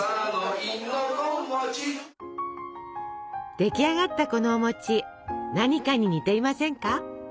出来上がったこのお何かに似ていませんか？